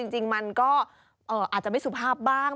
จริงมันก็อาจจะไม่สุภาพบ้าง